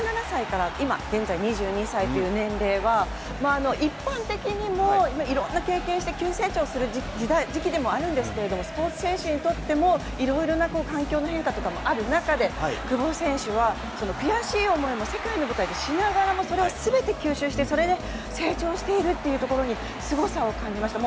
この１７歳から今現在２２歳という年齢はあの一般的にもいろんな経験して急成長する時時代好きでもあるんですがスポーツ選手にとってもいろいろな環境の変化とかもある中で久保選手はその悔しい思いも世界の舞台としながらもそれを全て吸収してそれで成長しているっていうところに凄さを感じました。